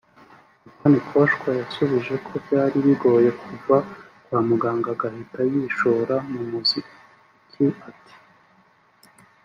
Makonikoshwa yasubije ko byari bigoye kuva kwa muganga agahita yishora mu muziki ati